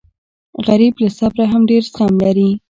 غریب له صبره هم ډېر زغم لري